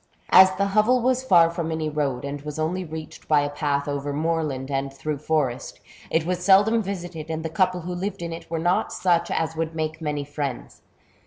As the hovel was far from any road, and was only reached by a path over moorland and through forest, it was seldom visited, and the couple who lived in it were not such as would make many friends.